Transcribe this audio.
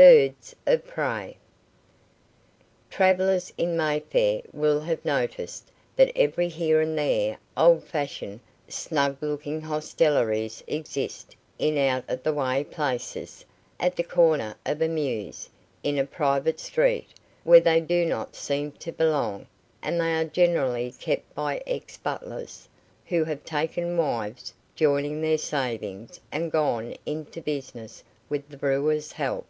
BIRDS OF PREY. Travellers in Mayfair will have noticed that every here and there old fashioned, snug looking hostelries exist in out of the way places at the corner of a mews, in a private street, where they do not seem to belong; and they are generally kept by ex butlers, who have taken wives, joined their savings, and gone into business with the brewers' help.